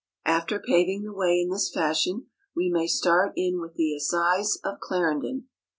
After paving the way in this fashion, we may start in with the Assize of Clarendon.